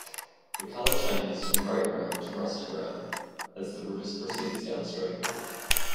The color changes from gray-brown to rusty brown as the river proceeds downstream.